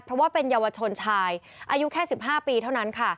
เพราะว่าเป็นเยาวชนชายอายุแค่๑๕ปีเท่านั้นค่ะ